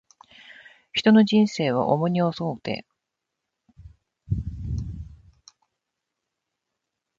人の一生は重荷を負うて、遠き道を行くがごとし急ぐべからず不自由を、常と思えば不足なし